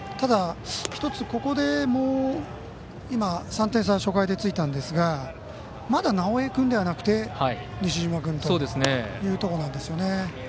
ここで１つ、今３点差、初回でついたんですがまだな直江君ではなくて西嶋君というところなんですよね。